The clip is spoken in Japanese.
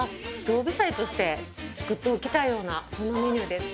常備菜として作っておきたいようなそんなメニューです。